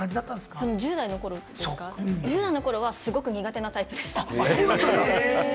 １０代の頃の印象は、すごく苦手なタイプでした。